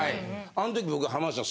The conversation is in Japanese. あの時僕浜田さん